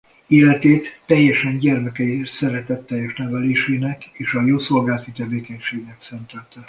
Életét teljesen gyermekei szeretetteljes nevelésének és a jószolgálati tevékenységnek szentelte.